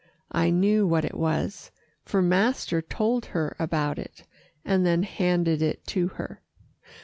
I knew what it was, for master told her about it, and then handed it to her.